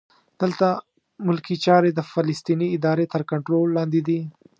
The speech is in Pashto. دلته ملکي چارې د فلسطیني ادارې تر کنټرول لاندې دي.